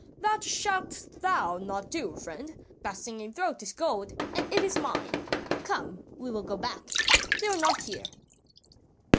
"That shalt thou not do, friend; that singing throat is gold and it is mine. Come, we will go back; they are not here."